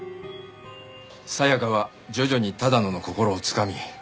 さやかは徐々に多田野の心をつかみ。